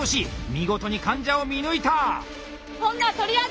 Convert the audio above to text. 見事に患者を見抜いた！